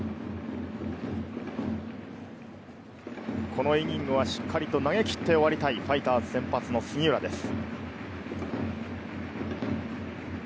このイニングはしっかりと投げきって終わりたい、ファイターズ先発の杉浦です。